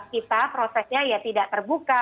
kita prosesnya ya tidak terbuka